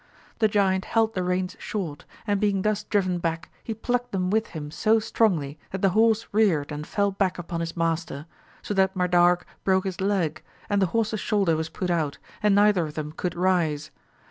The] giant held the reins short, and being thus driven back he plucked them with him so strongly that the horse reared and fell back upon his master; so that Madarque broke his leg, and the horse's shoulder was put out, and neither of them could rise.